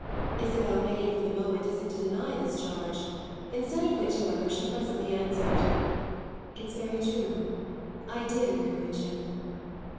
Isabel made for the moment as if to deny this charge; instead of which, however, she presently answered: "It's very true. I did encourage him."